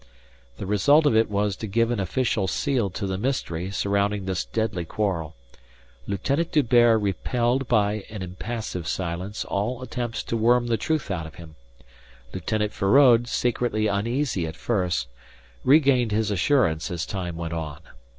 The result of it was to give an official seal to the mystery surrounding this deadly quarrel. Lieutenant D'Hubert repelled by an impassive silence all attempts to worm the truth out of him. Lieutenant Feraud, secretly uneasy at first, regained his assurance as time went on.